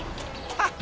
ハッ。